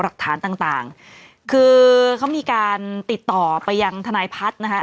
หลักฐานต่างต่างคือเขามีการติดต่อไปยังทนายพัฒน์นะคะ